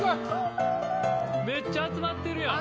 めっちゃ集まってるやん。